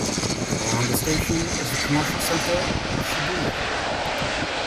Around the station is the commercial center of Shibuya.